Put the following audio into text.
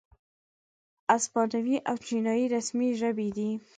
اسپانوي او چینایي رسمي ژبې دي.